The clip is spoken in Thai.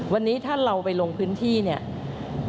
วันนี้ถ้าเราไปลงพื้นที่เนี่ย